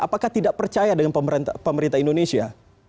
apakah tidak percaya dengan pemerintah indonesia